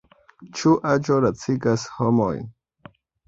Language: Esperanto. Ĉu aĝo lacigas homojn?